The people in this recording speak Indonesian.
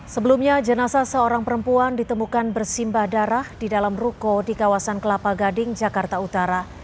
sebelumnya jenazah seorang perempuan ditemukan bersimbah darah di dalam ruko di kawasan kelapa gading jakarta utara